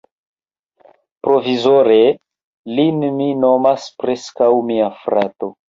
Provizore, lin mi nomas preskaŭ mia frato.